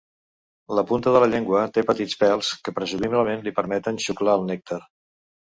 La punta de la llengua té petits pèls, que presumiblement li permeten xuclar el nèctar.